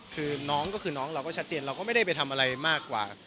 คือน้องก็คือน้องเราก็ชัดเจนเราก็ไม่ได้ไปทำอะไรมากกว่า